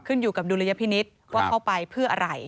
อยู่กับดุลยพินิษฐ์ว่าเข้าไปเพื่ออะไร